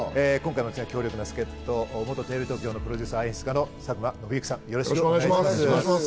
今回も強力な助っ人、元テレビ東京のプロデューサーで演出家の佐久間宣行さんです。